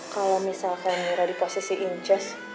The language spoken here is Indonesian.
kalau misalkan mira di posisi inces